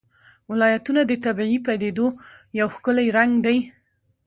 ولایتونه د طبیعي پدیدو یو ښکلی رنګ دی.